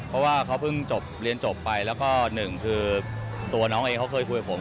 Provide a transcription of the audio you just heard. เพราะว่าเขาเพิ่งจบเรียนจบไปแล้วก็หนึ่งคือตัวน้องเองเขาเคยคุยกับผม